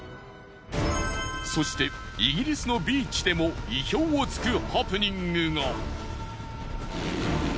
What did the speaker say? そしてイギリスのビーチでも意表を突くハプニングが。